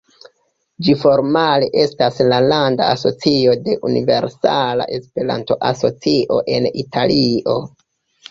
Ĝi formale estas la landa asocio de Universala Esperanto-Asocio en Italio.